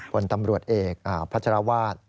ผลตำรวจเอกพัชรวาส